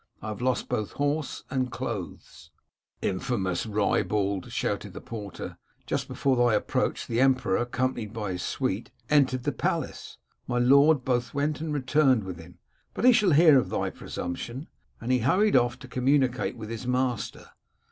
I have lost both horse and clothes.' Infamous ribald!' shouted the porter, *just before thy approach, the emperor, accompanied by his suite, entered the palace. My lord both went and returned with him. But he shall hear of thy presumption.* And he hurried off to communicate with his master.